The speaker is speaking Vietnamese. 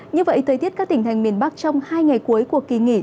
như vậy thời tiết các tỉnh thành miền bắc trong hai ngày cuối của kỳ nghỉ